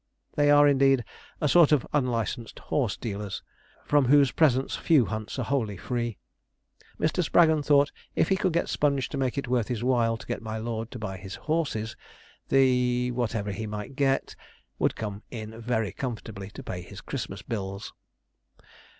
They are, indeed, a sort of unlicensed horse dealers, from whose presence few hunts are wholly free. Mr. Spraggon thought if he could get Sponge to make it worth his while to get my lord to buy his horses, the whatever he might get would come in very comfortably to pay his Christmas bills.